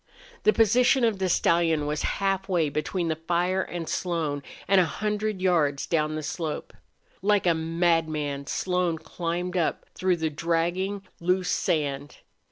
The position of the stallion was halfway between the fire and Slone, and a hundred yards up the slope. Like a madman Slone climbed up through the dragging, loose sand.